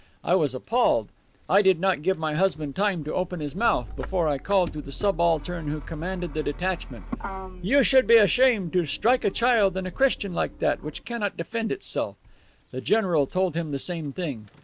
I was appalled. I did not give my husband time to open his mouth before I called to the subaltern who commanded the detachment, 'You should be ashamed to strike a child and a Christian like that, which cannot defend itself.' The general told him the same thing.